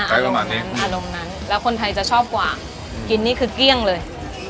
อารมณ์นั้นแล้วคนไทยชอบกว่าเเกี่ยงเลย